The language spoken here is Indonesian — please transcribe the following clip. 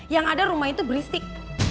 yang ada rumah itu gelistik